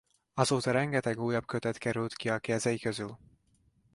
Azóta rengeteg újabb kötet került ki a kezei közül.